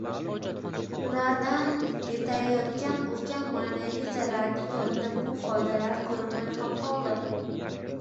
ulardan yetayotgan ulkan ma’naviy zararning yonida bu «foydalar» ko‘rinmay ham qoladi.